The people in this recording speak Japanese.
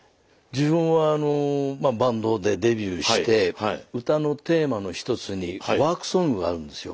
自分はまあバンドでデビューして歌のテーマの一つにワークソングがあるんですよ。